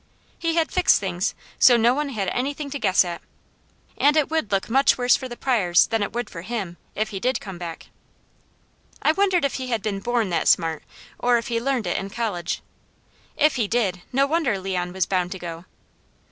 He had fixed things so no one had anything to guess at, and it would look much worse for the Pryors than it would for him, if he did come back. I wondered if he had been born that smart, or if he learned it in college. If he did, no wonder Leon was bound to go.